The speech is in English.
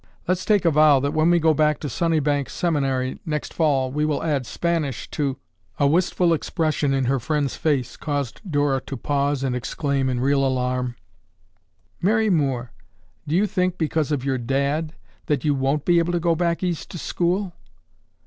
Let's take a vow that when we go back to Sunnybank Seminary next fall we will add Spanish to—" A wistful expression in her friend's face caused Dora to pause and exclaim in real alarm, "Mary Moore, do you think, because of your dad, that you won't be able to go back East to school?